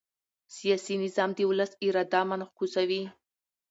سیاسي نظام د ولس اراده منعکسوي